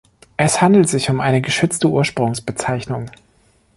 Es handelt sich um eine geschützte Ursprungsbezeichnung.